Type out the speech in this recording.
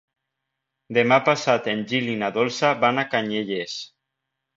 Demà passat en Gil i na Dolça van a Canyelles.